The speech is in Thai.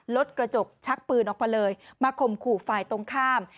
รถกระจกชักปืนออกมาเลยมาข่มขู่ฝ่ายตรงข้าม